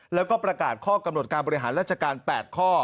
แล้วก็ประกาศข้อกำหนดการบริหารราชการ๘ข้อ